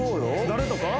誰とか？